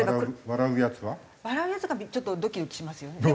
笑うやつがちょっとドキドキしますよね。